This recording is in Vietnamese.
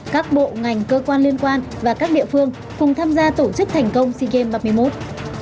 các bộ ngành cơ quan liên quan và các địa phương cùng tham gia tổ chức thành công sea games ba mươi một